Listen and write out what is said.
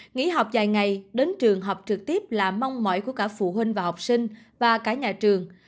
nghỉ học dài ngày đến trường học trực tiếp là mong mỏi của cả phụ huynh và học sinh và cả nhà trường